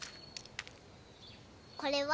これは？